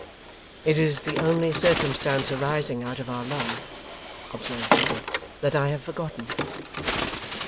'It is the only circumstance arising out of our love,' observed Edward, 'that I have forgotten.